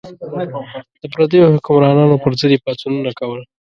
د پردیو حکمرانانو پر ضد یې پاڅونونه کول.